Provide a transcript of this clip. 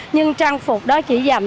nhưng trang phục đó chỉ dành